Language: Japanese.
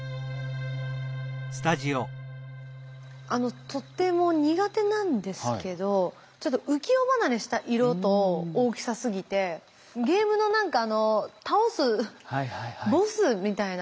あのとても苦手なんですけどちょっと浮世離れした色と大きさすぎてゲームの何か倒すボスみたいな。